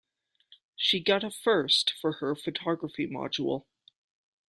She got a first for her photography module.